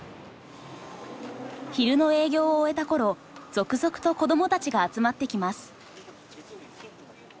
昼の営業を終えた頃続々と子どもたちが集まってきます。